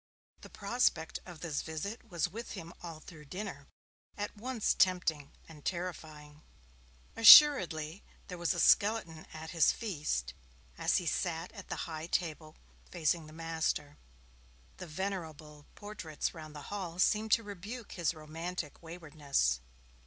The prospect of this visit was with him all through dinner, at once tempting and terrifying. Assuredly there was a skeleton at his feast, as he sat at the high table, facing the Master. The venerable portraits round the Hall seemed to rebuke his romantic waywardness.